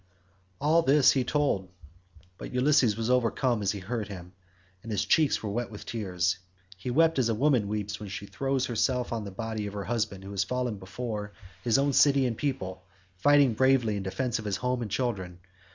All this he told, but Ulysses was overcome as he heard him, and his cheeks were wet with tears. He wept as a woman weeps when she throws herself on the body of her husband who has fallen before his own city and people, fighting bravely in defence of his home and children.